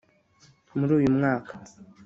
muri uyu mwaka